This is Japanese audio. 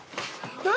何？